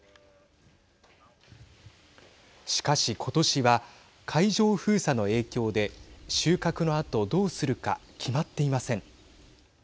しかし、ことしは海上封鎖の影響で収穫のあと、どうするか決まっていません。